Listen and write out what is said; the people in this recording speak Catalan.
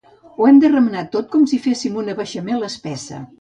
Ho hem de remenar tot com si féssim una beixamel espessa.